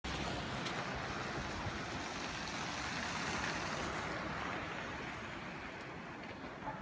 สวัสดีครับสวัสดีครับ